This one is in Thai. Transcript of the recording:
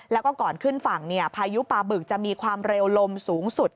แล้วก็ก่อนขึ้นฝั่งพายุปลาบึกจะมีความเร็วลมสูงสุด